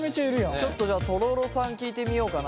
ちょっとじゃあとろろさん聞いてみようかな。